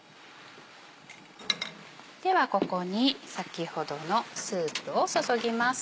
ではここに先ほどのスープを注ぎます。